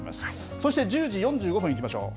そして１０時４５分にいきましょう。